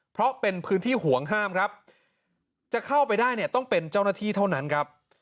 เพราะเป็นพื้นที่ห่วงห้ามครับจะเข้าไปได้เนี่ยต้องเป็นเจ้าหน้าที่เท่านั้นครับ